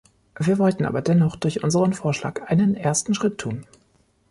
Wir wollten aber dennoch durch unseren Vorschlag einen ersten Schritt tun.